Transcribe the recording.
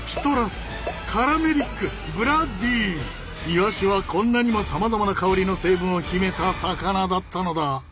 イワシはこんなにもさまざまな香りの成分を秘めた魚だったのだ！